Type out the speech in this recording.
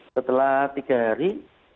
setelah tiga hari